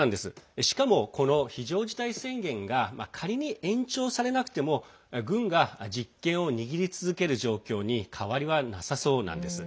しかも、この非常事態宣言が仮に延長されなくても軍が実権を握り続ける状況に変わりはなさそうなんです。